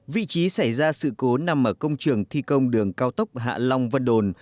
vị trí xảy ra sự cố nằm ở công trường thi công đường cao tốc hạ long vân đồn